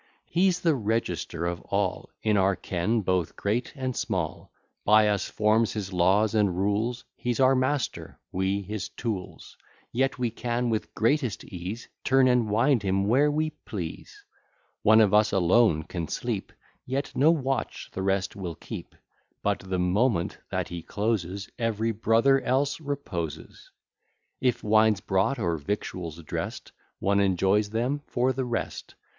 He's the register of all In our ken, both great and small; By us forms his laws and rules, He's our master, we his tools; Yet we can with greatest ease Turn and wind him where we please. One of us alone can sleep, Yet no watch the rest will keep, But the moment that he closes, Every brother else reposes. If wine's brought or victuals drest, One enjoys them for the rest.